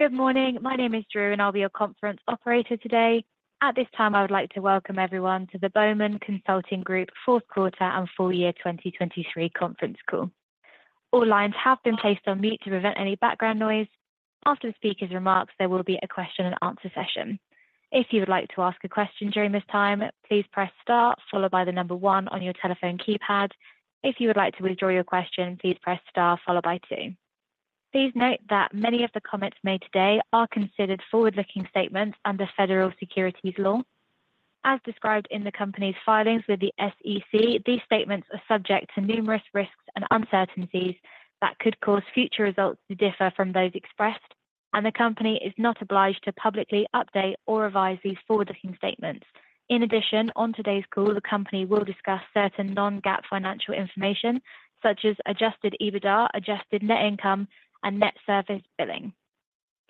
Good morning. My name is Drew and I'll be your conference operator today. At this time, I would like to welcome everyone to the Bowman Consulting Group fourth quarter and full year 2023 conference call. All lines have been placed on mute to prevent any background noise. After the speaker's remarks, there will be a question-and-answer session. If you would like to ask a question during this time, please press star, followed by the number 1 on your telephone keypad. If you would like to withdraw your question, please press star, followed by 2. Please note that many of the comments made today are considered forward-looking statements under federal securities law. As described in the company's filings with the SEC, these statements are subject to numerous risks and uncertainties that could cause future results to differ from those expressed and the company is not obliged to publicly update or revise these forward-looking statements. In addition, on today's call, the company will discuss certain non-GAAP financial information such as adjusted EBITDA, adjusted net income and net service billing.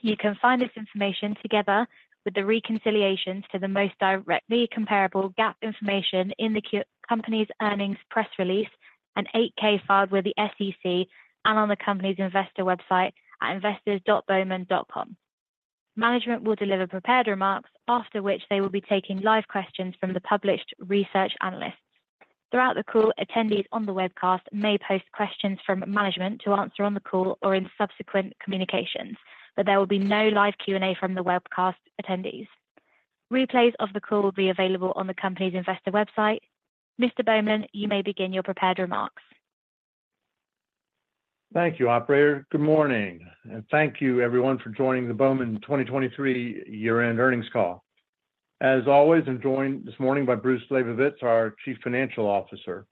You can find this information together with the reconciliations to the most directly comparable GAAP information in the company's earnings press release and 8-K filed with the SEC and on the company's investor website at investors.bowman.com. Management will deliver prepared remarks, after which they will be taking live questions from the published research analysts. Throughout the call, attendees on the webcast may post questions from management to answer on the call or in subsequent communications, but there will be no live Q&A from the webcast attendees. Replays of the call will be available on the company's investor website. Mr. Bowman, you may begin your prepared remarks. Thank you, operator. Good morning. Thank you, everyone, for joining the Bowman 2023 year-end earnings call. As always, I'm joined this morning by Bruce Labovitz, our Chief Financial Officer.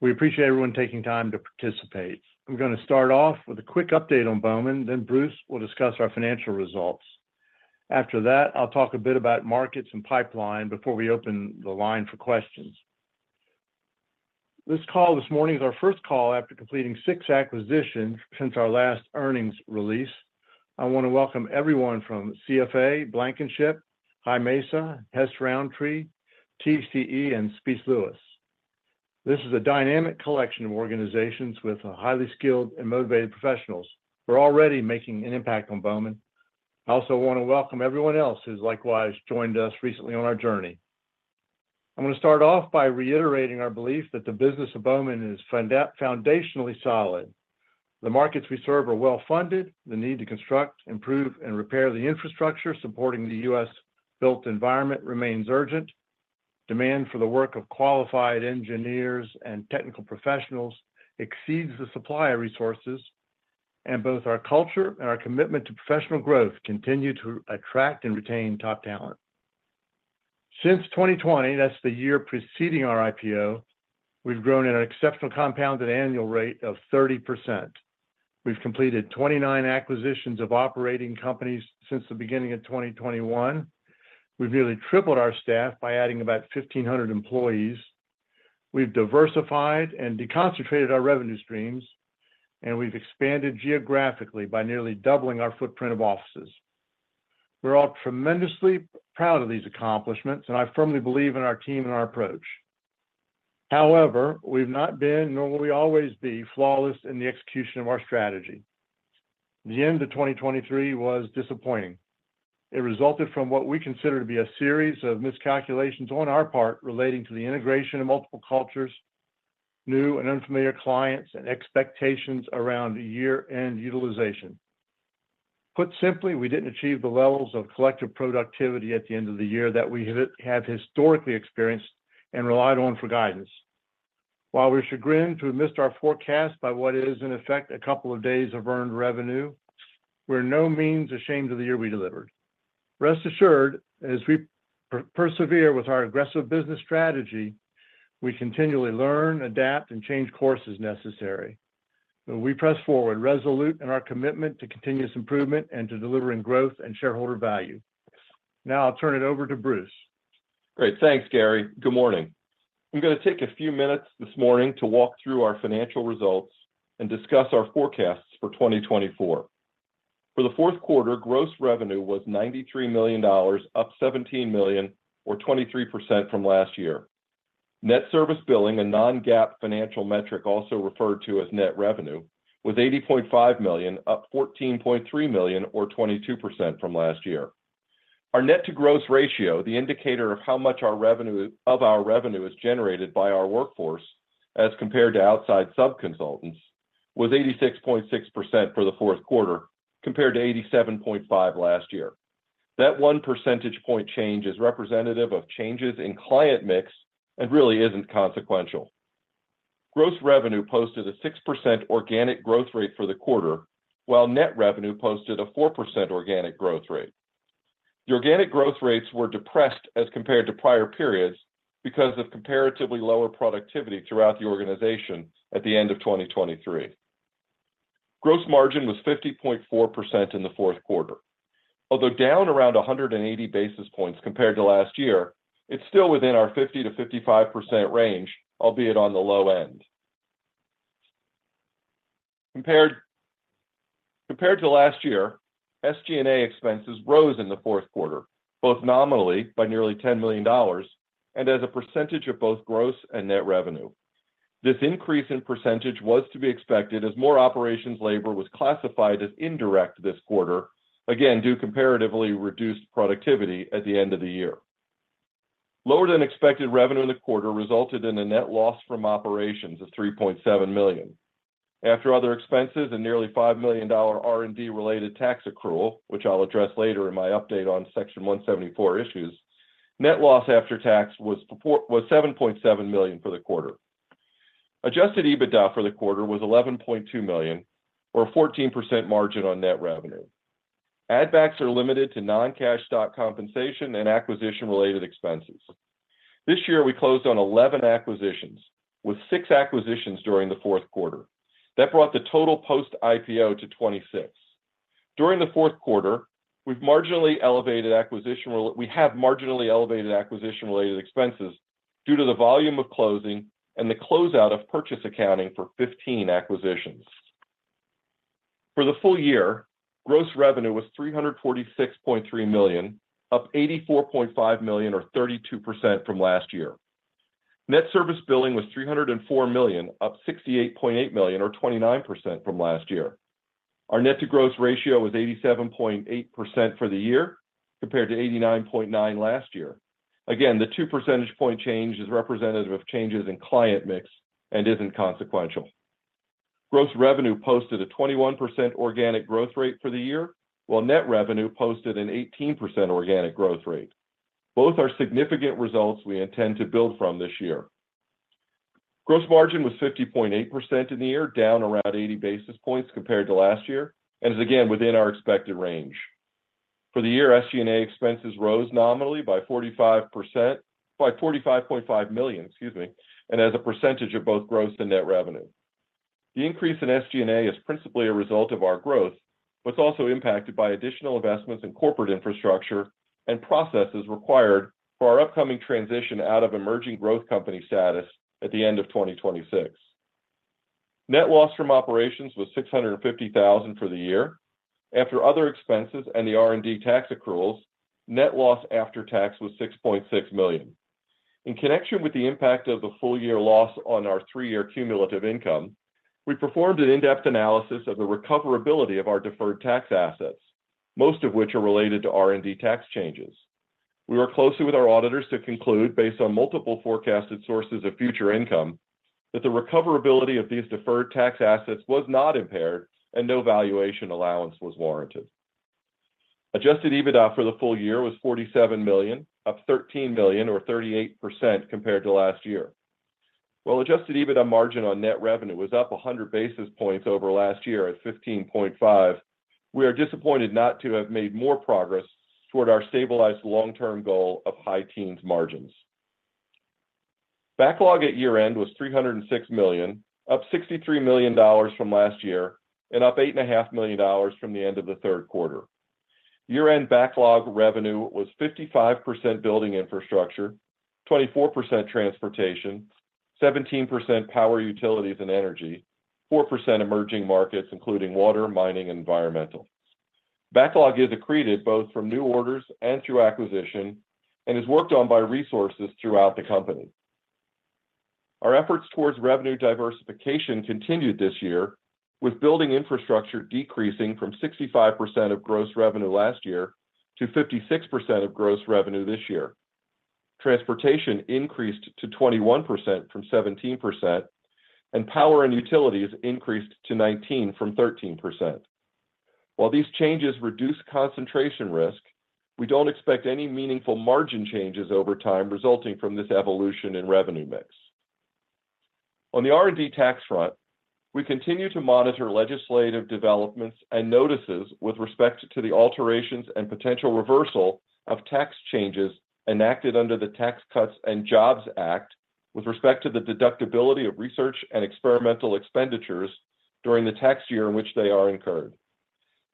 We appreciate everyone taking time to participate. I'm going to start off with a quick update on Bowman, then Bruce will discuss our financial results. After that, I'll talk a bit about markets and pipeline before we open the line for questions. This call this morning is our first call after completing six acquisitions since our last earnings release. I want to welcome everyone from CFA, Blankinship, High Mesa, Hess-Rountree, TCE and Speece Lewis. This is a dynamic collection of organizations with highly skilled and motivated professionals who are already making an impact on Bowman. I also want to welcome everyone else who's likewise joined us recently on our journey. I'm going to start off by reiterating our belief that the business of Bowman is foundationally solid. The markets we serve are well-funded. The need to construct, improve and repair the infrastructure supporting the U.S. built environment remains urgent. Demand for the work of qualified engineers and technical professionals exceeds the supply of resources and both our culture and our commitment to professional growth continue to attract and retain top talent. Since 2020, that's the year preceding our IPO, we've grown at an exceptional compounded annual rate of 30%. We've completed 29 acquisitions of operating companies since the beginning of 2021. We've nearly tripled our staff by adding about 1,500 employees. We've diversified and deconcentrated our revenue streams and we've expanded geographically by nearly doubling our footprint of offices. We're all tremendously proud of these accomplishments and I firmly believe in our team and our approach. However, we've not been, nor will we always be, flawless in the execution of our strategy. The end of 2023 was disappointing. It resulted from what we consider to be a series of miscalculations on our part relating to the integration of multiple cultures, new and unfamiliar clients and expectations around year-end utilization. Put simply, we didn't achieve the levels of collective productivity at the end of the year that we have historically experienced and relied on for guidance. While we're chagrined to have missed our forecast by what is, in effect, a couple of days of earned revenue, we're by no means ashamed of the year we delivered. Rest assured, as we persevere with our aggressive business strategy, we continually learn, adapt and change course as necessary. We press forward, resolute in our commitment to continuous improvement and to delivering growth and shareholder value. Now I'll turn it over to Bruce. Great. Thanks, Gary. Good morning. I'm going to take a few minutes this morning to walk through our financial results and discuss our forecasts for 2024. For the fourth quarter, gross revenue was $93 million, up $17 million, or 23% from last year. Net service billing, a non-GAAP financial metric also referred to as net revenue, was $80.5 million, up $14.3 million, or 22% from last year. Our net-to-gross ratio, the indicator of how much of our revenue is generated by our workforce as compared to outside subconsultants, was 86.6% for the fourth quarter compared to 87.5% last year. That one percentage point change is representative of changes in client mix and really isn't consequential. Gross revenue posted a 6% organic growth rate for the quarter, while net revenue posted a 4% organic growth rate. The organic growth rates were depressed as compared to prior periods because of comparatively lower productivity throughout the organization at the end of 2023. Gross margin was 50.4% in the fourth quarter. Although down around 180 basis points compared to last year, it's still within our 50%-55% range, albeit on the low end. Compared to last year, SG&A expenses rose in the fourth quarter, both nominally by nearly $10 million and as a percentage of both gross and net revenue. This increase in percentage was to be expected as more operations labor was classified as indirect this quarter, again, due to comparatively reduced productivity at the end of the year. Lower than expected revenue in the quarter resulted in a net loss from operations of $3.7 million. After other expenses and nearly $5 million R&D-related tax accrual, which I'll address later in my update on Section 174 issues, net loss after tax was $7.7 million for the quarter. Adjusted EBITDA for the quarter was $11.2 million, or a 14% margin on net revenue. Add-backs are limited to non-cash stock compensation and acquisition-related expenses. This year, we closed on 11 acquisitions, with 6 acquisitions during the fourth quarter. That brought the total post-IPO to 26. During the fourth quarter, we've marginally elevated acquisition-related expenses due to the volume of closing and the closeout of purchase accounting for 15 acquisitions. For the full year, gross revenue was $346.3 million, up $84.5 million, or 32% from last year. Net service billing was $304 million, up $68.8 million, or 29% from last year. Our net-to-gross ratio was 87.8% for the year compared to 89.9% last year. Again, the two percentage point change is representative of changes in client mix and isn't consequential. Gross revenue posted a 21% organic growth rate for the year, while net revenue posted an 18% organic growth rate. Both are significant results we intend to build from this year. Gross margin was 50.8% in the year, down around 80 basis points compared to last year and is again within our expected range. For the year, SG&A expenses rose nominally by $45.5 million, excuse me and as a percentage of both gross and net revenue. The increase in SG&A is principally a result of our growth, but it's also impacted by additional investments in corporate infrastructure and processes required for our upcoming transition out of emerging growth company status at the end of 2026. Net loss from operations was $650,000 for the year. After other expenses and the R&D tax accruals, net loss after tax was $6.6 million. In connection with the impact of the full-year loss on our three-year cumulative income, we performed an in-depth analysis of the recoverability of our deferred tax assets, most of which are related to R&D tax changes. We worked closely with our auditors to conclude, based on multiple forecasted sources of future income, that the recoverability of these deferred tax assets was not impaired and no valuation allowance was warranted. Adjusted EBITDA for the full year was $47 million, up $13 million, or 38% compared to last year. While adjusted EBITDA margin on net revenue was up 100 basis points over last year at 15.5%, we are disappointed not to have made more progress toward our stabilized long-term goal of high teens margins. Backlog at year-end was $306 million, up $63 million from last year and up $8.5 million from the end of the third quarter. Year-end backlog revenue was 55% building infrastructure, 24% transportation, 17% power, utilities and energy, 4% emerging markets including water, mining and environmental. Backlog is accreted both from new orders and through acquisition and is worked on by resources throughout the company. Our efforts towards revenue diversification continued this year, with building infrastructure decreasing from 65% of gross revenue last year to 56% of gross revenue this year. Transportation increased to 21% from 17% and power and utilities increased to 19% from 13%. While these changes reduce concentration risk, we don't expect any meaningful margin changes over time resulting from this evolution in revenue mix. On the R&D tax front, we continue to monitor legislative developments and notices with respect to the alterations and potential reversal of tax changes enacted under the Tax Cuts and Jobs Act with respect to the deductibility of research and experimental expenditures during the tax year in which they are incurred.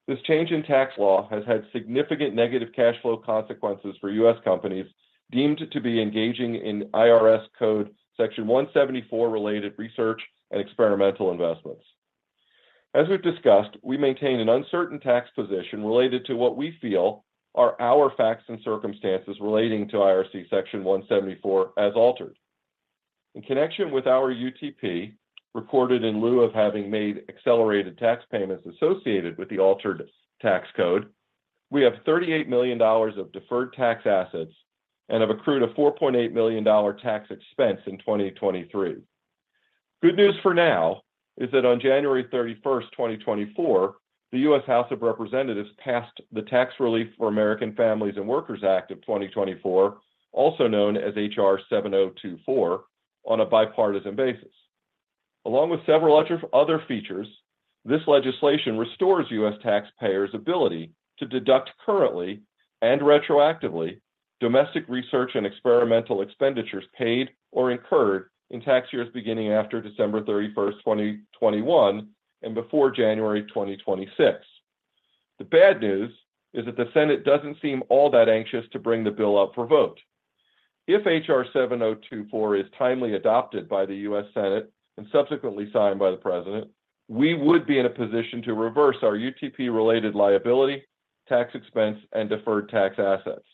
This change in tax law has had significant negative cash flow consequences for U.S. companies deemed to be engaging in IRC Section 174-related research and experimental investments. As we've discussed, we maintain an uncertain tax position related to what we feel are our facts and circumstances relating to IRC Section 174 as altered. In connection with our UTP recorded in lieu of having made accelerated tax payments associated with the altered tax code, we have $38 million of deferred tax assets and have accrued a $4.8 million tax expense in 2023. Good news for now is that on January 31st, 2024, the U.S. House of Representatives passed the Tax Relief for American Families and Workers Act of 2024, also known as HR 7024, on a bipartisan basis. Along with several other features, this legislation restores U.S. taxpayers' ability to deduct currently and retroactively domestic research and experimental expenditures paid or incurred in tax years beginning after December 31st, 2021 and before January 2026. The bad news is that the Senate doesn't seem all that anxious to bring the bill up for vote. If HR 7024 is timely adopted by the U.S. Senate and subsequently signed by the President, we would be in a position to reverse our UTP-related liability, tax expense and deferred tax assets.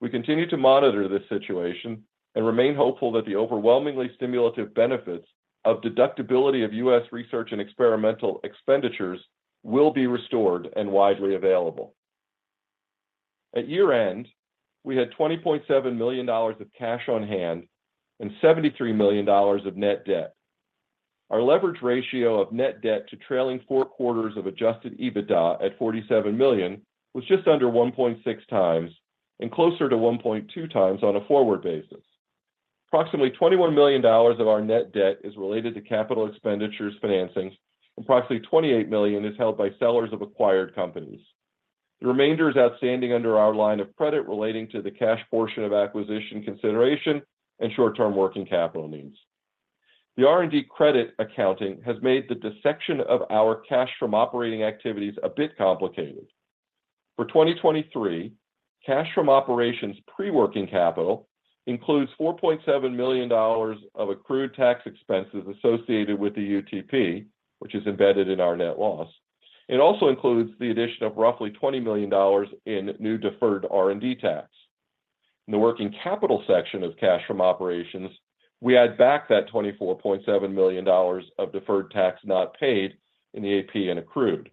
We continue to monitor this situation and remain hopeful that the overwhelmingly stimulative benefits of deductibility of U.S. research and experimental expenditures will be restored and widely available. At year-end, we had $20.7 million of cash on hand and $73 million of net debt. Our leverage ratio of net debt to trailing four quarters of Adjusted EBITDA at $47 million was just under 1.6 times and closer to 1.2 times on a forward basis. Approximately $21 million of our net debt is related to capital expenditures financing and approximately $28 million is held by sellers of acquired companies. The remainder is outstanding under our line of credit relating to the cash portion of acquisition consideration and short-term working capital needs. The R&D credit accounting has made the dissection of our cash from operating activities a bit complicated. For 2023, cash from operations pre-working capital includes $4.7 million of accrued tax expenses associated with the UTP, which is embedded in our net loss. It also includes the addition of roughly $20 million in new deferred R&D tax. In the working capital section of cash from operations, we add back that $24.7 million of deferred tax not paid in the AP and accrued.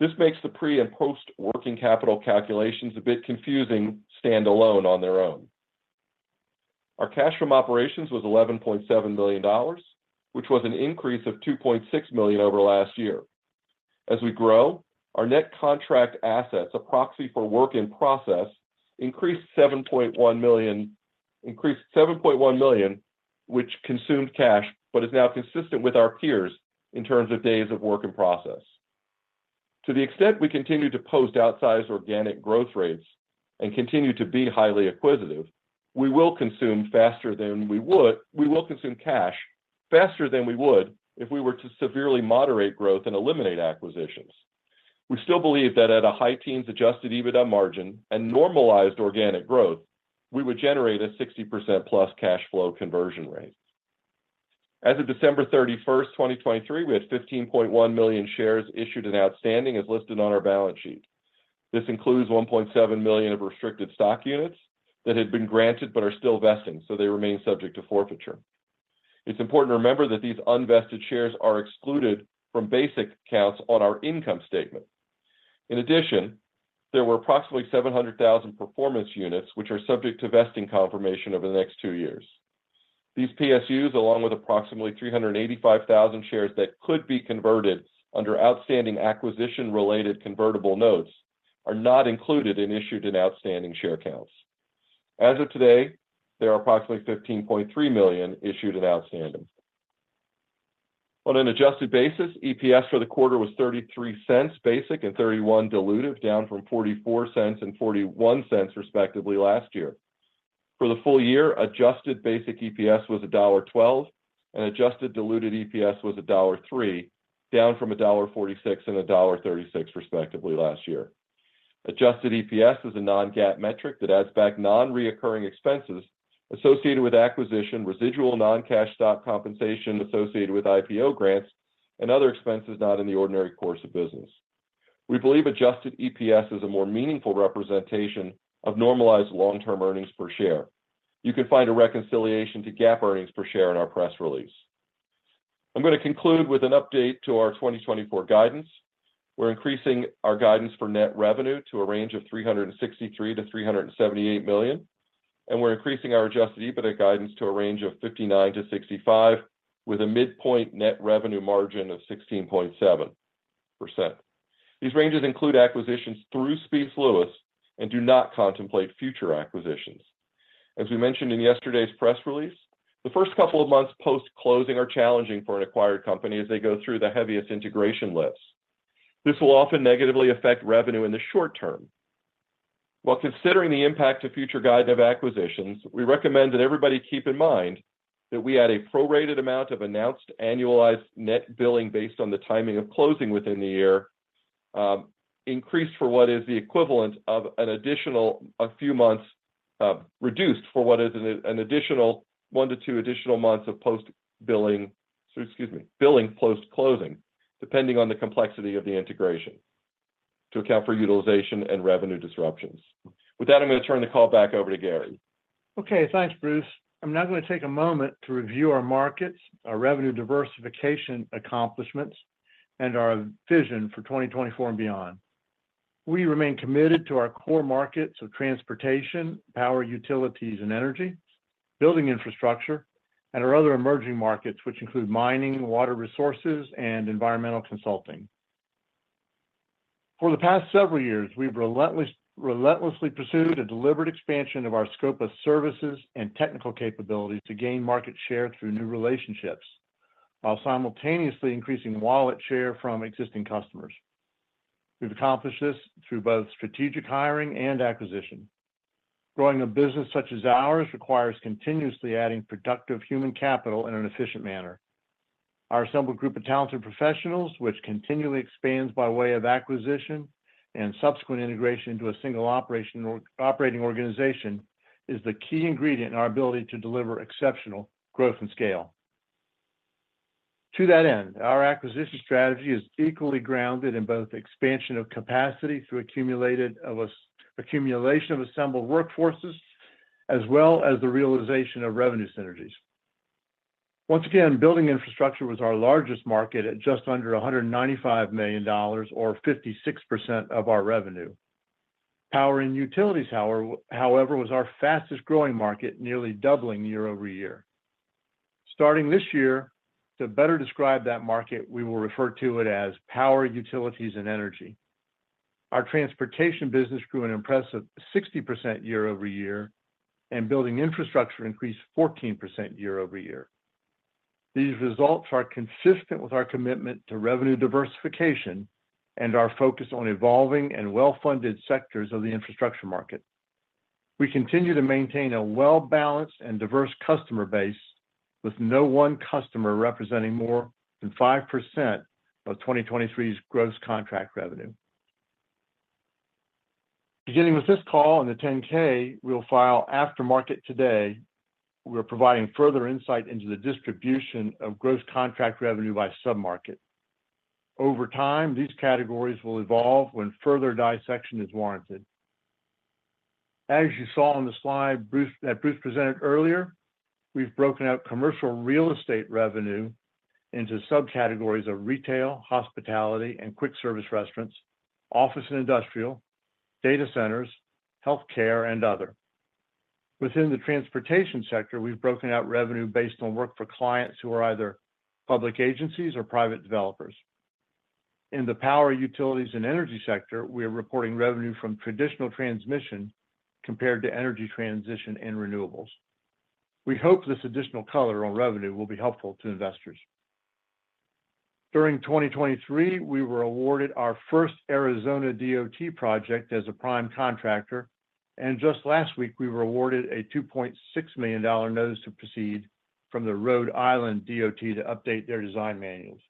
This makes the pre- and post-working capital calculations a bit confusing standalone on their own. Our cash from operations was $11.7 million, which was an increase of $2.6 million over last year. As we grow, our net contract assets approximately for work in process increased $7.1 million, which consumed cash but is now consistent with our peers in terms of days of work in process. To the extent we continue to post outsized organic growth rates and continue to be highly acquisitive, we will consume cash faster than we would if we were to severely moderate growth and eliminate acquisitions. We still believe that at a high teens Adjusted EBITDA margin and normalized organic growth, we would generate a 60%-plus cash flow conversion rate. As of December 31st, 2023, we had 15.1 million shares issued and outstanding as listed on our balance sheet. This includes 1.7 million of restricted stock units that had been granted but are still vesting, so they remain subject to forfeiture. It's important to remember that these unvested shares are excluded from basic counts on our income statement. In addition, there were approximately 700,000 performance units, which are subject to vesting confirmation over the next two years. These PSUs, along with approximately 385,000 shares that could be converted under outstanding acquisition-related convertible notes, are not included in issued and outstanding share counts. As of today, there are approximately 15.3 million issued and outstanding. On an adjusted basis, EPS for the quarter was $0.33 basic and $0.31 diluted, down from $0.44 and $0.41 respectively last year. For the full year, adjusted basic EPS was $1.12 and adjusted diluted EPS was $1.03, down from $1.46 and $1.36 respectively last year. Adjusted EPS is a non-GAAP metric that adds back non-recurring expenses associated with acquisition, residual non-cash stock compensation associated with IPO grants and other expenses not in the ordinary course of business. We believe adjusted EPS is a more meaningful representation of normalized long-term earnings per share. You can find a reconciliation to GAAP earnings per share in our press release. I'm going to conclude with an update to our 2024 guidance. We're increasing our guidance for net revenue to a range of $363 million-$378 million and we're increasing our Adjusted EBITDA guidance to a range of $59 million-$65 million with a midpoint net revenue margin of 16.7%. These ranges include acquisitions through Speece Lewis and do not contemplate future acquisitions. As we mentioned in yesterday's press release, the first couple of months post-closing are challenging for an acquired company as they go through the heaviest integration lifts. This will often negatively affect revenue in the short term. While considering the impact of future guidance of acquisitions, we recommend that everybody keep in mind that we add a prorated amount of announced annualized net billing based on the timing of closing within the year, increased for what is the equivalent of an additional a few months reduced for what is an additional 1-2 additional months of post-billing excuse me, billing post-closing, depending on the complexity of the integration to account for utilization and revenue disruptions. With that, I'm going to turn the call back over to Gary. Okay. Thanks, Bruce. I'm now going to take a moment to review our markets, our revenue diversification accomplishments and our vision for 2024 and beyond. We remain committed to our core markets of transportation, power, utilities and energy, building infrastructure and our other emerging markets, which include mining, water resources and environmental consulting. For the past several years, we've relentlessly pursued a deliberate expansion of our scope of services and technical capabilities to gain market share through new relationships while simultaneously increasing wallet share from existing customers. We've accomplished this through both strategic hiring and acquisition. Growing a business such as ours requires continuously adding productive human capital in an efficient manner. Our assembled group of talented professionals, which continually expands by way of acquisition and subsequent integration into a single operating organization, is the key ingredient in our ability to deliver exceptional growth and scale. To that end, our acquisition strategy is equally grounded in both expansion of capacity through accumulation of assembled workforces as well as the realization of revenue synergies. Once again, building infrastructure was our largest market at just under $195 million or 56% of our revenue. Power and utilities, however, was our fastest growing market, nearly doubling year-over-year. Starting this year, to better describe that market, we will refer to it as power, utilities and energy. Our transportation business grew an impressive 60% year-over-year and building infrastructure increased 14% year-over-year. These results are consistent with our commitment to revenue diversification and our focus on evolving and well-funded sectors of the infrastructure market. We continue to maintain a well-balanced and diverse customer base with no one customer representing more than 5% of 2023's gross contract revenue. Beginning with this call and the 10-K we'll file after market today, we're providing further insight into the distribution of gross contract revenue by submarket. Over time, these categories will evolve when further dissection is warranted. As you saw on the slide that Bruce presented earlier, we've broken out commercial real estate revenue into subcategories of retail, hospitality and quick service restaurants, office and industrial, data centers, healthcare and other. Within the transportation sector, we've broken out revenue based on work for clients who are either public agencies or private developers. In the power, utilities and energy sector, we are reporting revenue from traditional transmission compared to energy transition and renewables. We hope this additional color on revenue will be helpful to investors. During 2023, we were awarded our first Arizona DOT project as a prime contractor and just last week, we were awarded a $2.6 million notice to proceed from the Rhode Island DOT to update their design manuals.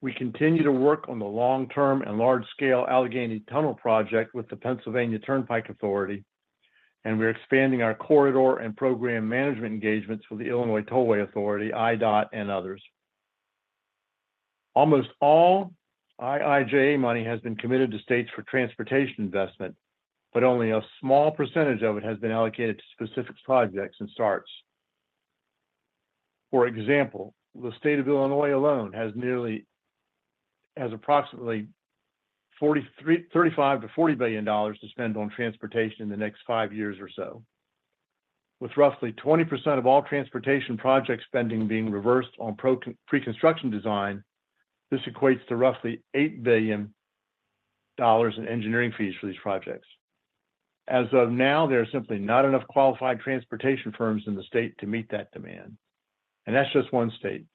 We continue to work on the long-term and large-scale Allegheny Tunnel project with the Pennsylvania Turnpike Authority and we're expanding our corridor and program management engagements with the Illinois Tollway Authority, IDOT and others. Almost all IIJA money has been committed to states for transportation investment, but only a small percentage of it has been allocated to specific projects and starts. For example, the state of Illinois alone has approximately $35 billion-$40 billion to spend on transportation in the next five years or so. With roughly 20% of all transportation project spending being reserved on pre-construction design, this equates to roughly $8 billion in engineering fees for these projects. As of now, there are simply not enough qualified transportation firms in the state to meet that demand and that's just one state.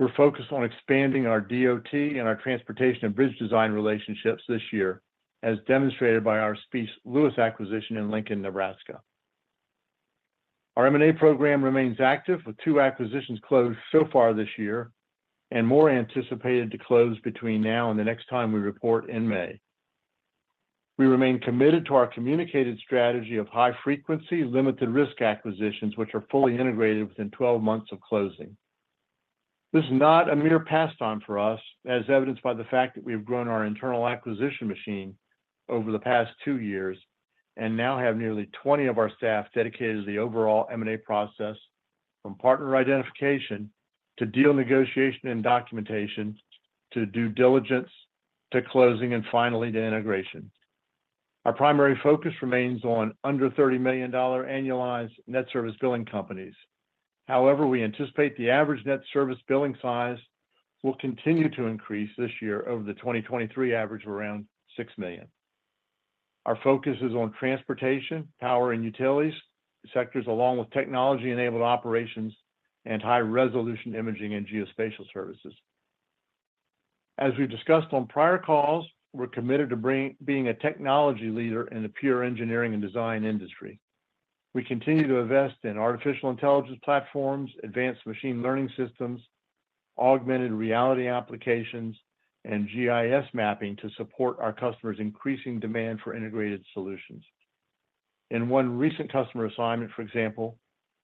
We're focused on expanding our DOT and our transportation and bridge design relationships this year, as demonstrated by our Speece Lewis acquisition in Lincoln, Nebraska. Our M&A program remains active with two acquisitions closed so far this year and more anticipated to close between now and the next time we report in May. We remain committed to our communicated strategy of high-frequency, limited-risk acquisitions, which are fully integrated within 12 months of closing. This is not a mere pastime for us, as evidenced by the fact that we have grown our internal acquisition machine over the past two years and now have nearly 20 of our staff dedicated to the overall M&A process, from partner identification to deal negotiation and documentation to due diligence to closing and finally to integration. Our primary focus remains on under $30 million annualized Net Service Billing companies. However, we anticipate the average Net Service Billing size will continue to increase this year over the 2023 average of around $6 million. Our focus is on transportation, power and utilities sectors, along with technology-enabled operations and high-resolution imaging and geospatial services. As we've discussed on prior calls, we're committed to being a technology leader in the pure engineering and design industry. We continue to invest in artificial intelligence platforms, advanced machine learning systems, augmented reality applications and GIS mapping to support our customers' increasing demand for integrated solutions. In one recent customer assignment, for example,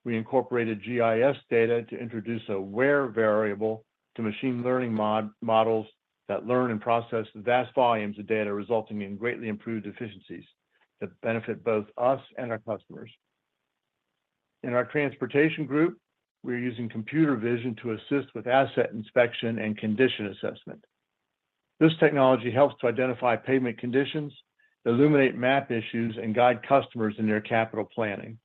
we incorporated GIS data to introduce a WHERE variable to machine learning models that learn and process vast volumes of data, resulting in greatly improved efficiencies that benefit both us and our customers. In our transportation group, we're using computer vision to assist with asset inspection and condition assessment. This technology helps to identify pavement conditions, illuminate map issues and guide customers in their capital planning.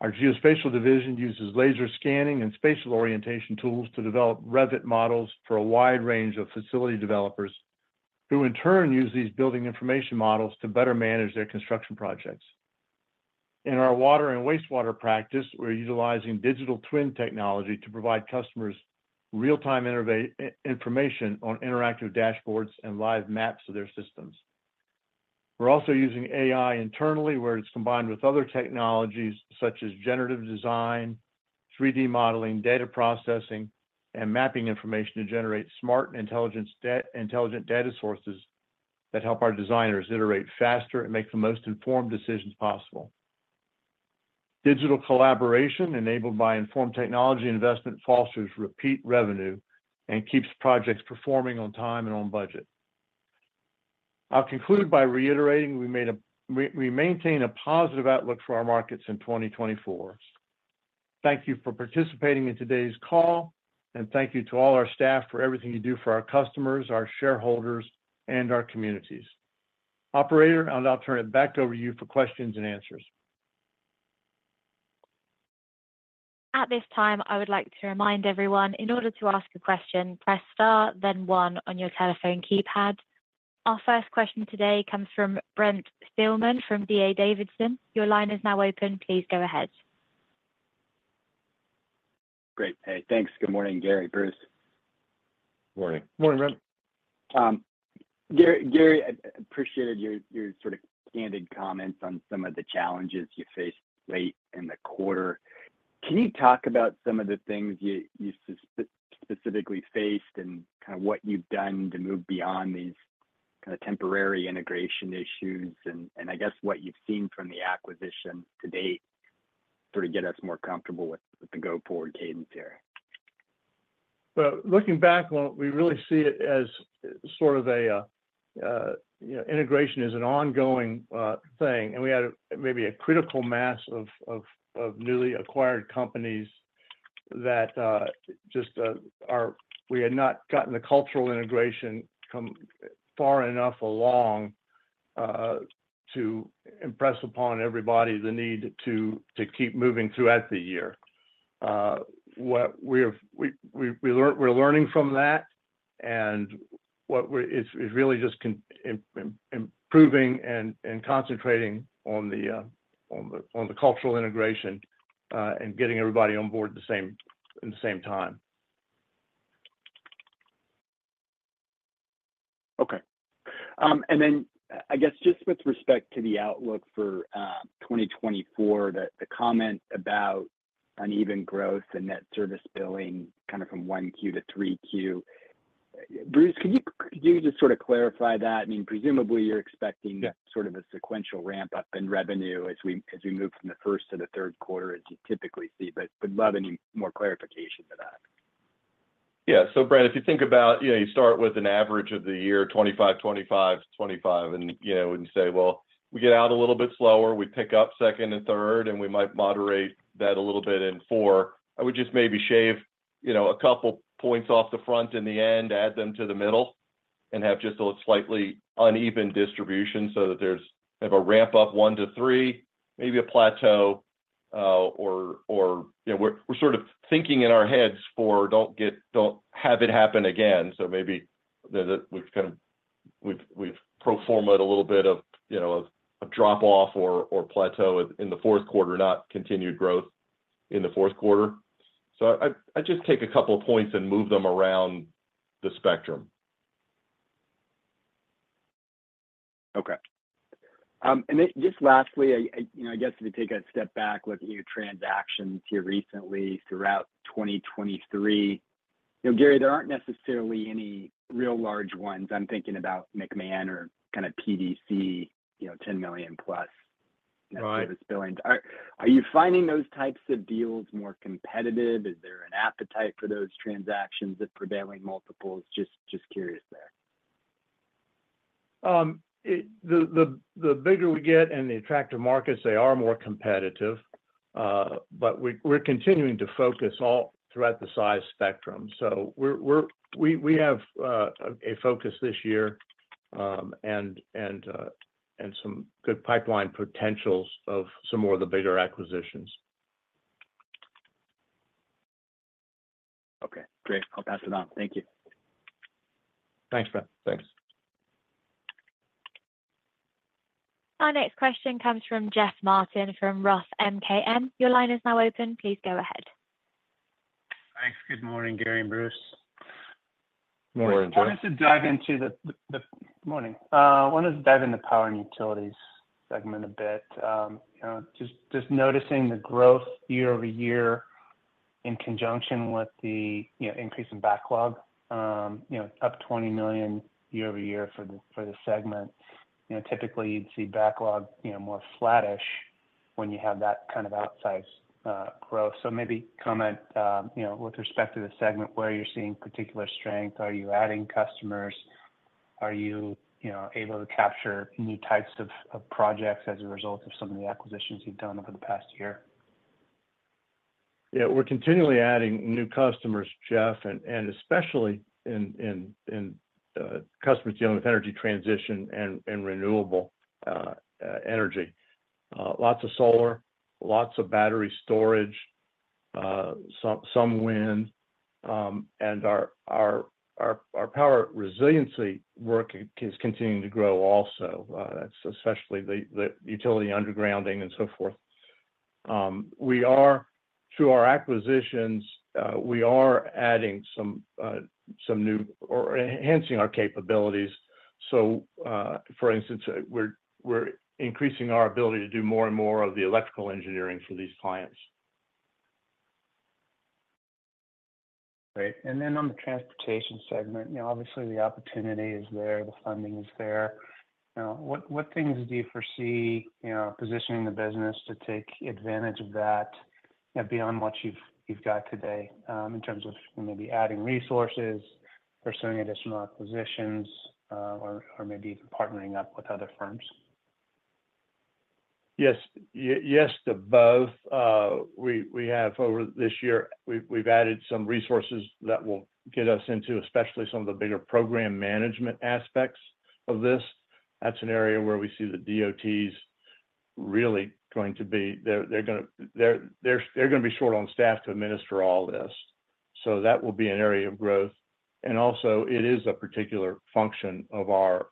Our geospatial division uses laser scanning and spatial orientation tools to develop Revit models for a wide range of facility developers who, in turn, use these building information models to better manage their construction projects. In our water and wastewater practice, we're utilizing Digital Twin technology to provide customers real-time information on interactive dashboards and live maps of their systems. We're also using AI internally, where it's combined with other technologies such as generative design, 3D modeling, data processing and mapping information to generate smart and intelligent data sources that help our designers iterate faster and make the most informed decisions possible. Digital collaboration, enabled by informed technology investment, fosters repeat revenue and keeps projects performing on time and on budget. I'll conclude by reiterating we maintain a positive outlook for our markets in 2024. Thank you for participating in today's call and thank you to all our staff for everything you do for our customers, our shareholders and our communities. Operator, I'll now turn it back over to you for questions and answers. At this time, I would like to remind everyone, in order to ask a question, press star, then 1 on your telephone keypad. Our first question today comes from Brent Thielman from D.A. Davidson. Your line is now open. Please go ahead. Great. Hey, thanks. Good morning, Gary, Bruce. Good morning. Morning, Brent. Gary, I appreciated your sort of candid comments on some of the challenges you faced late in the quarter. Can you talk about some of the things you specifically faced and kind of what you've done to move beyond these kind of temporary integration issues and I guess what you've seen from the acquisition to date to sort of get us more comfortable with the go-forward cadence here? Looking back, we really see it as sort of an integration is an ongoing thing and we had maybe a critical mass of newly acquired companies that just we had not gotten the cultural integration far enough along to impress upon everybody the need to keep moving throughout the year. We're learning from that and it's really just improving and concentrating on the cultural integration and getting everybody on board in the same time. Okay. And then I guess just with respect to the outlook for 2024, the comment about uneven growth and net service billing kind of from 1Q to 3Q, Bruce, can you just sort of clarify that? I mean, presumably, you're expecting sort of a sequential ramp-up in revenue as we move from the first to the third quarter, as you typically see, but would love any more clarification to that. Yeah. So, Brent, if you think about you start with an average of the year, 25, 25, 25 and you wouldn't say, "Well, we get out a little bit slower. We pick up second and third and we might moderate that a little bit in four." I would just maybe shave a couple points off the front in the end, add them to the middle and have just a slightly uneven distribution so that there's a ramp-up 1 to 3, maybe a plateau, or we're sort of thinking in our heads for, "Don't have it happen again." So maybe we've kind of pro forma a little bit of drop-off or plateau in the fourth quarter, not continued growth in the fourth quarter. So I'd just take a couple of points and move them around the spectrum. Okay. Then just lastly, I guess if you take a step back, looking at transactions here recently throughout 2023, Gary, there aren't necessarily any real large ones. I'm thinking about McMahon or kind of PDC, $10 million+ Net Service Billing. Are you finding those types of deals more competitive? Is there an appetite for those transactions at prevailing multiples? Just curious there. The bigger we get and the attractive markets, they are more competitive, but we're continuing to focus throughout the size spectrum. So we have a focus this year and some good pipeline potentials of some more of the bigger acquisitions. Okay. Great. I'll pass it on. Thank you. Thanks, Brent. Thanks. Our next question comes from Jeff Martin from Roth MKM. Your line is now open. Please go ahead. Thanks. Good morning, Gary and Bruce. Morning, Jeff. I wanted to dive into the power and utilities segment a bit. Just noticing the growth year-over-year in conjunction with the increase in backlog, up $20 million year-over-year for the segment. Typically, you'd see backlog more flattish when you have that kind of outsized growth. So maybe comment with respect to the segment, where you're seeing particular strength. Are you adding customers? Are you able to capture new types of projects as a result of some of the acquisitions you've done over the past year? Yeah. We're continually adding new customers, jeff and especially in customers dealing with energy transition and renewable energy, lots of solar, lots of battery storage, some wind. Our power resiliency work is continuing to grow also, especially the utility undergrounding and so forth. Through our acquisitions, we are adding some new or enhancing our capabilities. So, for instance, we're increasing our ability to do more and more of the electrical engineering for these clients. Great. And then on the transportation segment, obviously, the opportunity is there. The funding is there. What things do you foresee positioning the business to take advantage of that beyond what you've got today in terms of maybe adding resources, pursuing additional acquisitions, or maybe even partnering up with other firms? Yes. Yes, to both. Over this year, we've added some resources that will get us into, especially, some of the bigger program management aspects of this. That's an area where we see the DOTs really going to be they're going to be short on staff to administer all this. So that will be an area of growth. And also, it is a particular function of our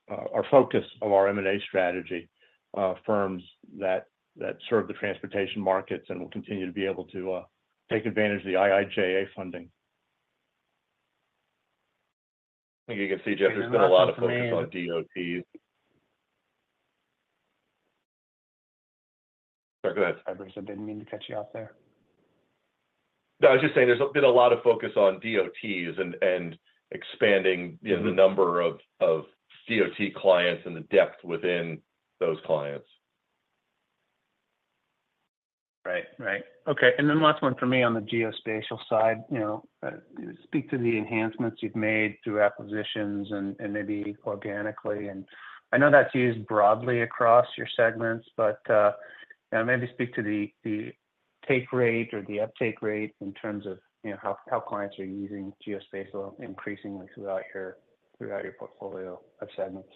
focus of our M&A strategy, firms that serve the transportation markets and will continue to be able to take advantage of the IIJA funding. I think you can see, Jeff, there's been a lot of focus on DOTs. Sorry. Go ahead. I didn't mean to cut you off there. No. I was just saying there's been a lot of focus on DOTs and expanding the number of DOT clients and the depth within those clients. Right. Right. Okay. And then last one for me on the geospatial side. Speak to the enhancements you've made through acquisitions and maybe organically. And I know that's used broadly across your segments, but maybe speak to the take rate or the uptake rate in terms of how clients are using geospatial increasingly throughout your portfolio of segments.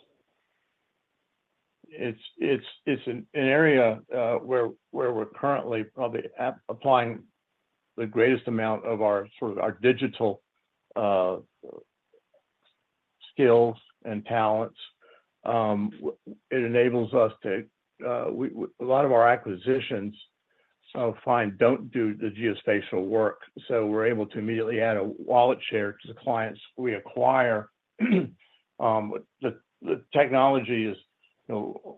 It's an area where we're currently probably applying the greatest amount of sort of our digital skills and talents. It enables us, too. A lot of our acquisitions don't do the geospatial work. So we're able to immediately add a wallet share to the clients we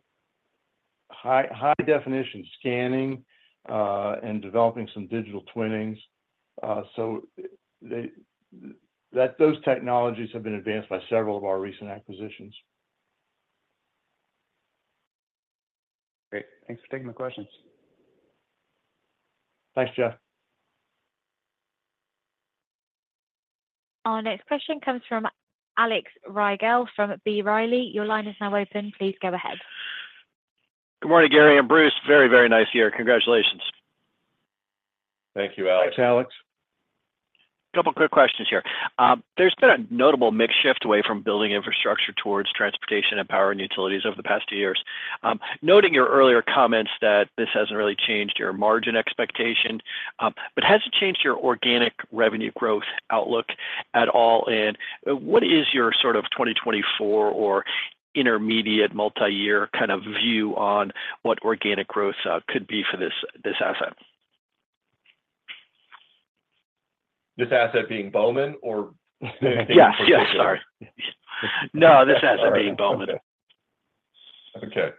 acquire. The technology is high-definition scanning and developing some digital twins. So those technologies have been advanced by several of our recent acquisitions. Great. Thanks for taking the questions. Thanks, Jeff. Our next question comes from Alex Rygiel from B. Riley. Your line is now open. Please go ahead. Good morning, Gary and Bruce. Very, very nice year. Congratulations. Thank you, Alex. Thanks, Alex. A couple of quick questions here. There's been a notable shift away from building infrastructure towards transportation and power and utilities over the past years. Noting your earlier comments that this hasn't really changed your margin expectation, but has it changed your organic revenue growth outlook at all? And what is your sort of 2024 or intermediate multi-year kind of view on what organic growth could be for this asset? This asset being Bowman or anything for Christmas? Yes. Yes. Sorry. No, this asset being Bowman. Okay.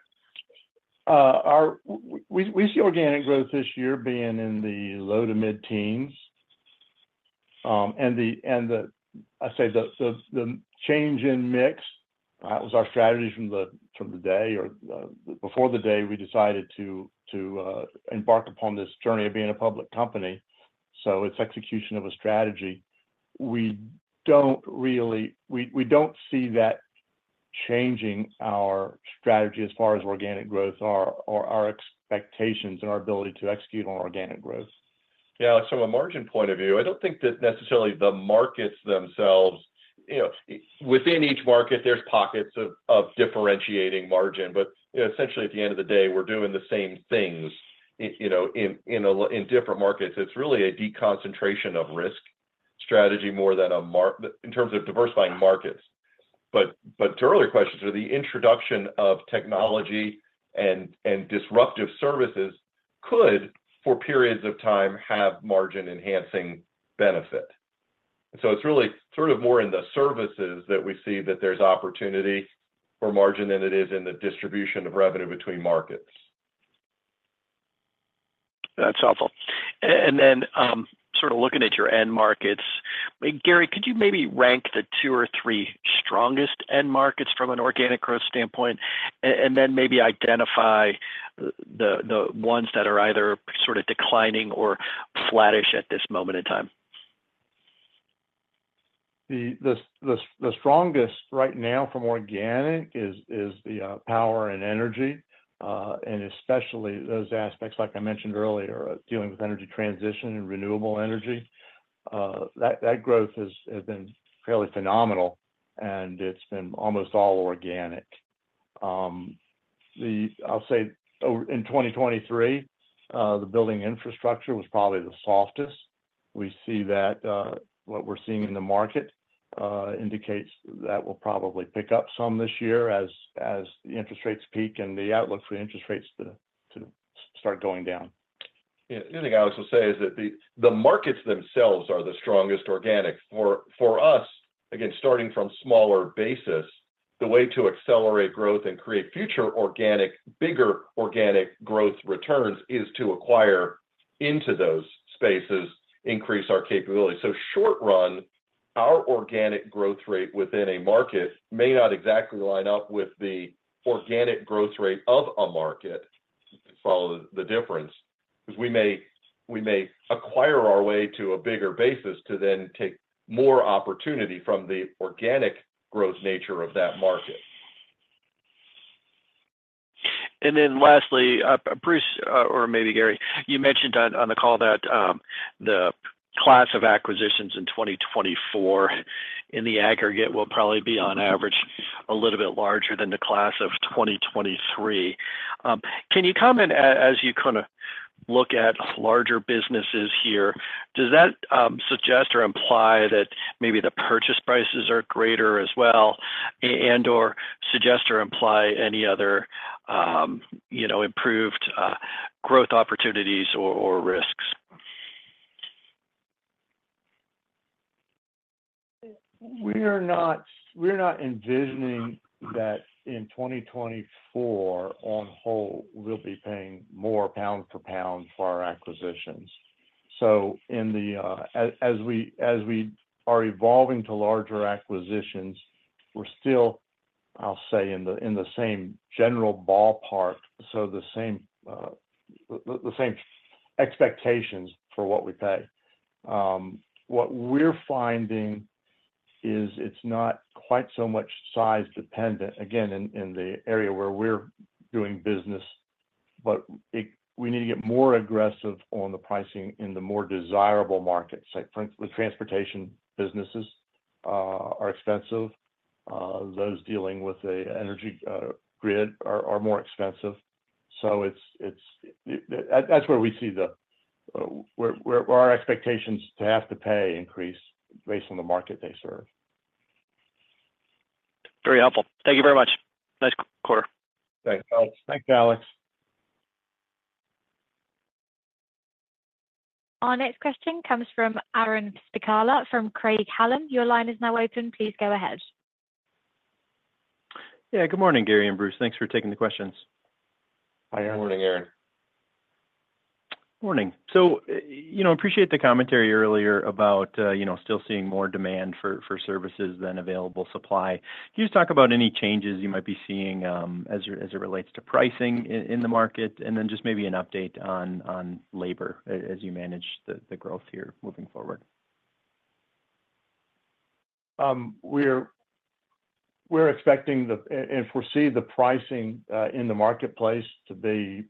We see organic growth this year being in the low to mid-teens. And I say the change in mix, that was our strategy from the day or before the day we decided to embark upon this journey of being a public company. So it's execution of a strategy. We don't see that changing our strategy as far as organic growth or our expectations and our ability to execute on organic growth. Yeah. From a margin point of view, I don't think that necessarily the markets themselves within each market, there's pockets of differentiating margin. But essentially, at the end of the day, we're doing the same things in different markets. It's really a deconcentration of risk strategy more than a in terms of diversifying markets. But to earlier questions, the introduction of technology and disruptive services could, for periods of time, have margin-enhancing benefit. So it's really sort of more in the services that we see that there's opportunity for margin than it is in the distribution of revenue between markets. That's helpful. And then sort of looking at your end markets, Gary, could you maybe rank the two or three strongest end markets from an organic growth standpoint and then maybe identify the ones that are either sort of declining or flattish at this moment in time? The strongest right now from organic is the power and energy and especially those aspects, like I mentioned earlier, dealing with energy transition and renewable energy. That growth has been fairly phenomenal and it's been almost all organic. I'll say in 2023, the building infrastructure was probably the softest. We see that what we're seeing in the market indicates that will probably pick up some this year as the interest rates peak and the outlook for interest rates to start going down. Yeah. The only thing Alex will say is that the markets themselves are the strongest organic. For us, again, starting from smaller basis, the way to accelerate growth and create future bigger organic growth returns is to acquire into those spaces. Increase our capability. So short run, our organic growth rate within a market may not exactly line up with the organic growth rate of a market. You can follow the difference because we may acquire our way to a bigger basis to then take more opportunity from the organic growth nature of that market. And then lastly, Bruce or maybe Gary, you mentioned on the call that the class of acquisitions in 2024 in the aggregate will probably be, on average, a little bit larger than the class of 2023. Can you comment as you kind of look at larger businesses here, does that suggest or imply that maybe the purchase prices are greater as well and/or suggest or imply any other improved growth opportunities or risks? We are not envisioning that in 2024, on the whole, we'll be paying more pound for pound for our acquisitions. So as we are evolving to larger acquisitions, we're still, I'll say, in the same general ballpark, so the same expectations for what we pay. What we're finding is it's not quite so much size-dependent, again, in the area where we're doing business, but we need to get more aggressive on the pricing in the more desirable markets. For instance, the transportation businesses are expensive. Those dealing with an energy grid are more expensive. So that's where we see our expectations to have to pay increase based on the market they serve. Very helpful. Thank you very much. Nice quarter. Thanks, Alex. Thanks, Alex. Our next question comes from Aaron Spychala from Craig-Hallum. Your line is now open. Please go ahead. Yeah. Good morning, Gary and Bruce. Thanks for taking the questions. Hi, Aaron. Good morning, Aaron. Morning. I appreciate the commentary earlier about still seeing more demand for services than available supply. Can you just talk about any changes you might be seeing as it relates to pricing in the market and then just maybe an update on labor as you manage the growth here moving forward? We're expecting and foresee the pricing in the marketplace to be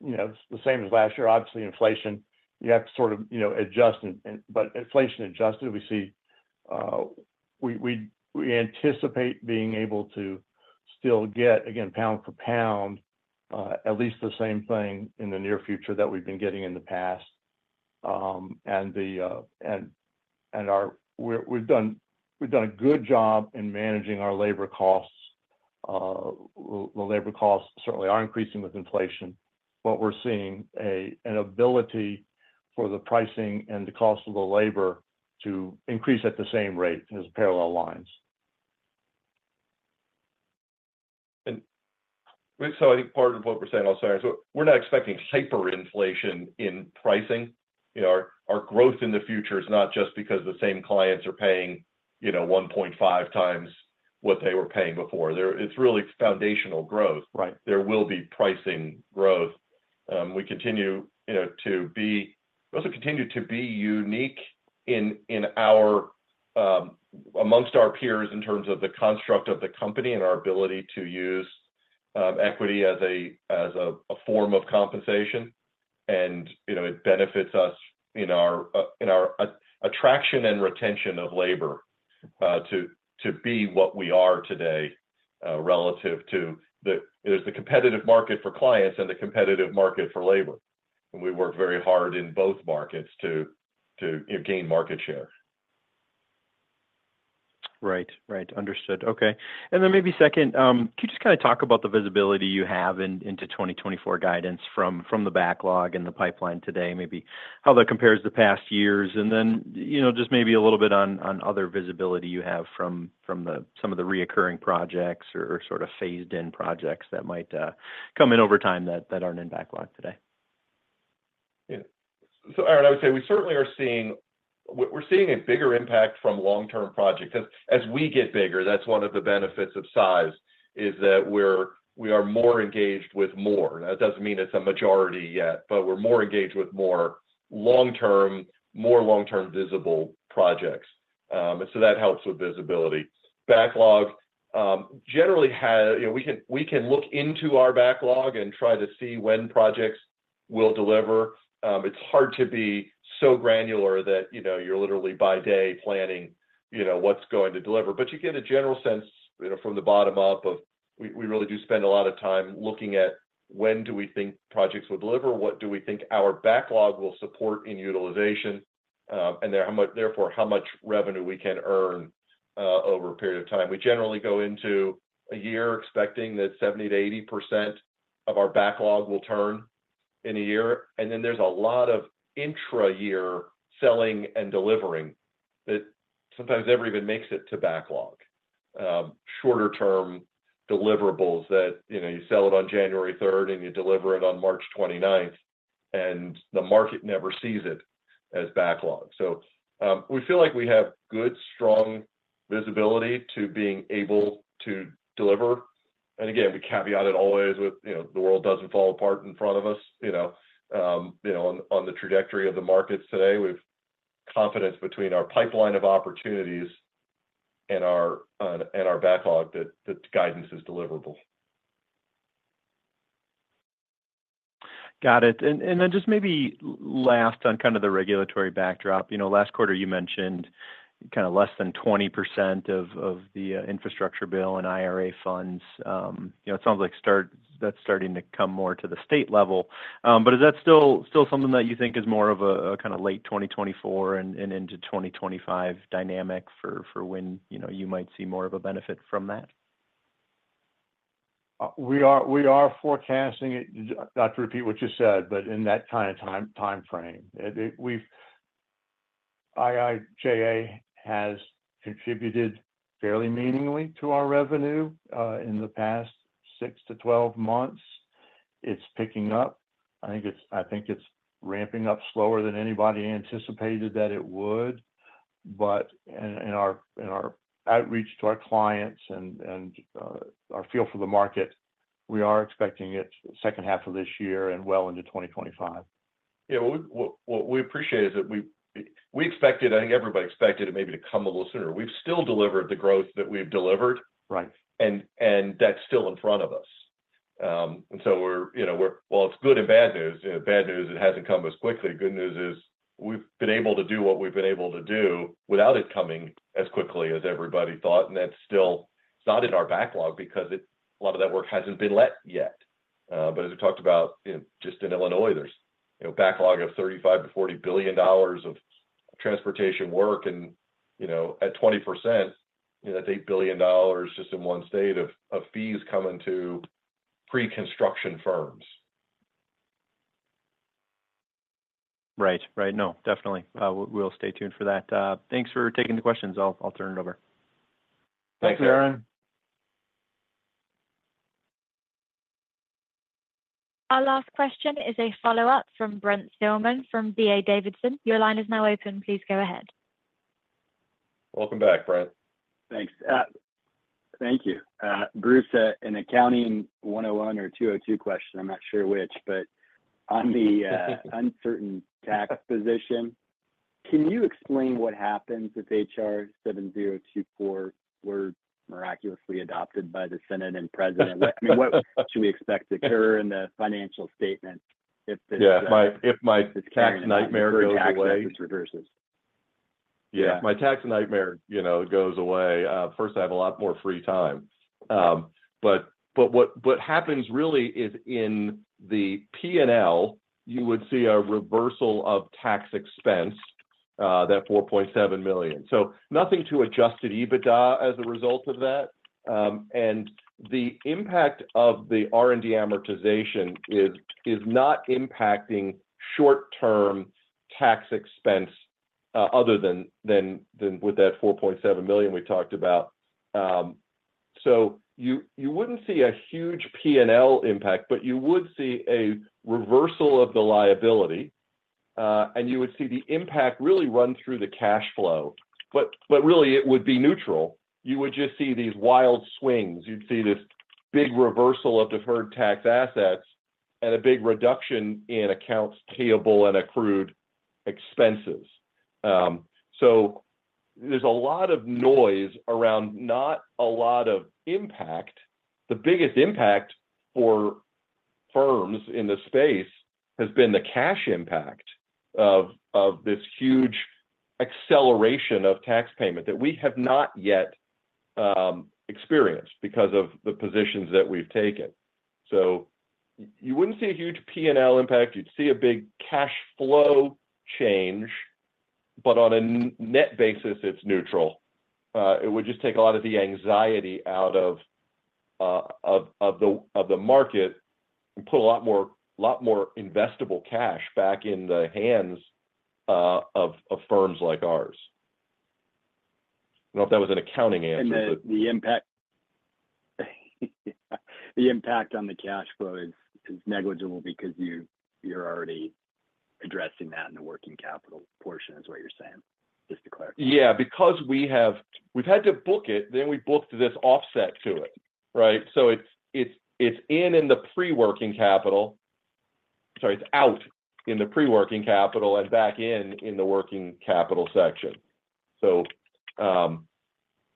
the same as last year. Obviously, inflation, you have to sort of adjust. But inflation-adjusted, we anticipate being able to still get, again, pound for pound, at least the same thing in the near future that we've been getting in the past. And we've done a good job in managing our labor costs. The labor costs certainly are increasing with inflation, but we're seeing an ability for the pricing and the cost of the labor to increase at the same rate as parallel lines. I think part of what we're saying, I'll say, is we're not expecting hyperinflation in pricing. Our growth in the future is not just because the same clients are paying 1.5 times what they were paying before. It's really foundational growth. There will be pricing growth. We also continue to be unique amongst our peers in terms of the construct of the company and our ability to use equity as a form of compensation. And it benefits us in our attraction and retention of labor to be what we are today relative to there's the competitive market for clients and the competitive market for labor. And we work very hard in both markets to gain market share. Right. Right. Understood. Okay. And then maybe second, can you just kind of talk about the visibility you have into 2024 guidance from the backlog and the pipeline today, maybe how that compares to past years? And then just maybe a little bit on other visibility you have from some of the reoccurring projects or sort of phased-in projects that might come in over time that aren't in backlog today. Yeah. So, Aaron, I would say we certainly are seeing we're seeing a bigger impact from long-term projects. As we get bigger, that's one of the benefits of size, is that we are more engaged with more. That doesn't mean it's a majority yet, but we're more engaged with more long-term, more long-term visible projects. And so that helps with visibility. Backlog generally has we can look into our backlog and try to see when projects will deliver. It's hard to be so granular that you're literally by day planning what's going to deliver. But you get a general sense from the bottom up of we really do spend a lot of time looking at when do we think projects will deliver? What do we think our backlog will support in utilization? And therefore, how much revenue we can earn over a period of time. We generally go into a year expecting that 70%-80% of our backlog will turn in a year. And then there's a lot of intra-year selling and delivering that sometimes never even makes it to backlog, shorter-term deliverables that you sell it on January 3rd and you deliver it on March 29th and the market never sees it as backlog. So we feel like we have good, strong visibility to being able to deliver. And again, we caveat it always with the world doesn't fall apart in front of us. On the trajectory of the markets today, we've confidence between our pipeline of opportunities and our backlog that guidance is deliverable. Got it. And then just maybe last on kind of the regulatory backdrop, last quarter, you mentioned kind of less than 20% of the infrastructure bill and IRA funds. It sounds like that's starting to come more to the state level. But is that still something that you think is more of a kind of late 2024 and into 2025 dynamic for when you might see more of a benefit from that? We are forecasting it not to repeat what you said, but in that kind of timeframe. IIJA has contributed fairly meaningfully to our revenue in the past 6-12 months. It's picking up. I think it's ramping up slower than anybody anticipated that it would. But in our outreach to our clients and our feel for the market, we are expecting it second half of this year and well into 2025. Yeah. What we appreciate is that we expected, I think everybody expected it maybe to come a little sooner. We've still delivered the growth that we've delivered and that's still in front of us. And so we're well, it's good and bad news. Bad news, it hasn't come as quickly. Good news is we've been able to do what we've been able to do without it coming as quickly as everybody thought. And it's not in our backlog because a lot of that work hasn't been let yet. But as we talked about, just in Illinois, there's a backlog of $35 billion-$40 billion of transportation work. And at 20%, that's $8 billion just in one state of fees coming to pre-construction firms. Right. Right. No, definitely. We'll stay tuned for that. Thanks for taking the questions. I'll turn it over. Thanks, Aaron. Our last question is a follow-up from Brent Thielman from D.A. Davidson. Your line is now open. Please go ahead. Welcome back, Brent. Thanks. Thank you. Bruce, an accounting 101 or 202 question. I'm not sure which. But on the uncertain tax position, can you explain what happens if HR 7024 were miraculously adopted by the Senate and President? I mean, what should we expect to occur in the financial statements if this tax nightmare goes away? Yeah. My tax nightmare goes away. First, I have a lot more free time. But what happens really is in the P&L, you would see a reversal of tax expense, that $4.7 million. So nothing to Adjusted EBITDA as a result of that. And the impact of the R&D amortization is not impacting short-term tax expense other than with that $4.7 million we talked about. So you wouldn't see a huge P&L impact, but you would see a reversal of the liability. And you would see the impact really run through the cash flow. But really, it would be neutral. You would just see these wild swings. You'd see this big reversal of deferred tax assets and a big reduction in accounts payable and accrued expenses. So there's a lot of noise around not a lot of impact. The biggest impact for firms in the space has been the cash impact of this huge acceleration of tax payment that we have not yet experienced because of the positions that we've taken. So you wouldn't see a huge P&L impact. You'd see a big cash flow change, but on a net basis, it's neutral. It would just take a lot of the anxiety out of the market and put a lot more investable cash back in the hands of firms like ours. I don't know if that was an accounting answer. The impact on the cash flow is negligible because you're already addressing that in the working capital portion, is what you're saying, just to clarify. Yeah. Because we've had to book it, then we booked this offset to it, right? So it's in the pre-working capital. Sorry, it's out in the pre-working capital and back in the working capital section.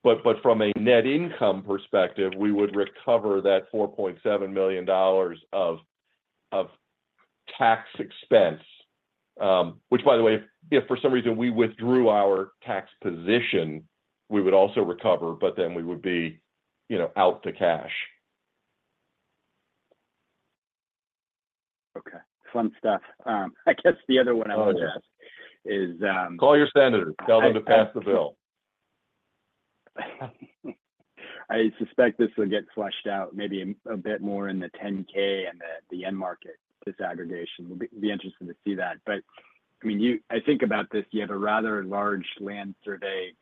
But from a net income perspective, we would recover that $4.7 million of tax expense, which, by the way, if for some reason we withdrew our tax position, we would also recover, but then we would be out to cash. Okay. Fun stuff. I guess the other one I wanted to ask is. Call your senators. Tell them to pass the bill. I suspect this will get fleshed out maybe a bit more in the 10-K and the end-market disaggregation. We'd be interested to see that. But I mean, I think about this. You have a rather large land survey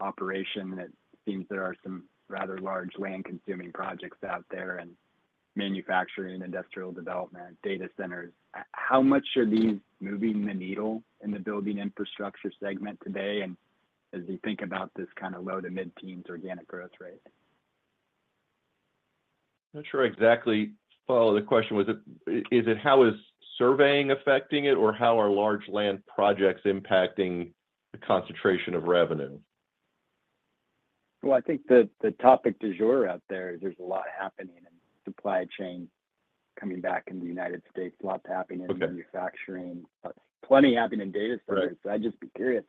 operation. It seems there are some rather large land-consuming projects out there and manufacturing and industrial development, data centers. How much are these moving the needle in the building infrastructure segment today? And as you think about this kind of low- to mid-teens organic growth rate? I'm not sure I exactly follow the question. Is it how is surveying affecting it, or how are large land projects impacting the concentration of revenue? Well, I think the topic du jour out there is there's a lot happening in supply chain coming back in the United States. A lot's happening in manufacturing. Plenty happening in data centers. So I'd just be curious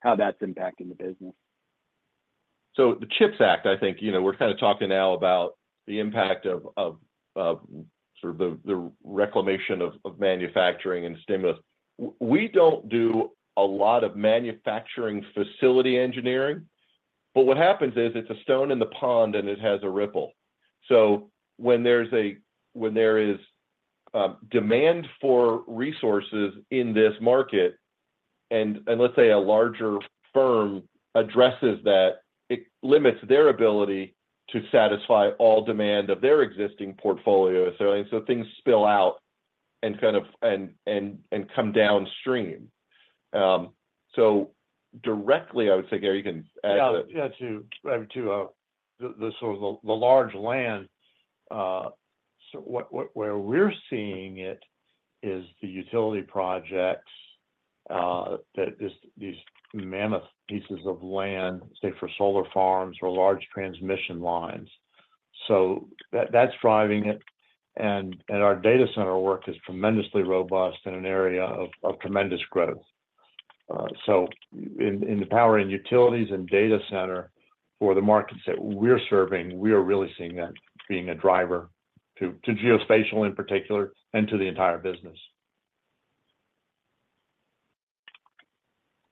how that's impacting the business. So the CHIPS Act, I think we're kind of talking now about the impact of sort of the reclamation of manufacturing and stimulus. We don't do a lot of manufacturing facility engineering. But what happens is it's a stone in the pond and it has a ripple. So when there is demand for resources in this market and let's say a larger firm addresses that, it limits their ability to satisfy all demand of their existing portfolio. And so things spill out and kind of come downstream. So directly, I would say, Gary, you can add to that. Yeah. To sort of the large land, where we're seeing it is the utility projects, these mammoth pieces of land, say, for solar farms or large transmission lines. So that's driving it. And our data center work is tremendously robust in an area of tremendous growth. So in the power and utilities and data center for the markets that we're serving, we are really seeing that being a driver to geospatial in particular and to the entire business.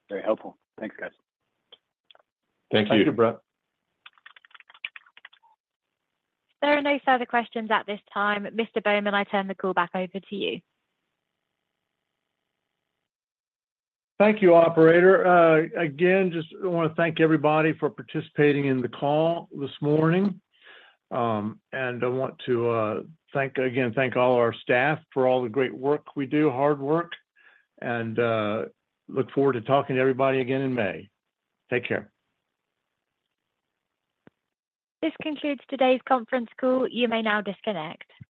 Very helpful. Thanks, guys. Thank you. Thank you, Brent. There are no further questions at this time. Mr. Bowman, I turn the call back over to you. Thank you, operator. Again, just want to thank everybody for participating in the call this morning. I want to again, thank all our staff for all the great work we do, hard work and look forward to talking to everybody again in May. Take care. This concludes today's conference call. You may now disconnect.